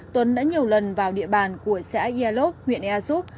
tuấn đã nhiều lần vào địa bàn của xã yalop huyện yasup